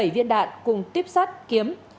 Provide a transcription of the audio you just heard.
bảy viên đạn cùng tiếp sát kiếm